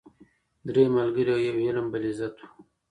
درې ملګري وه یو علم بل عزت وو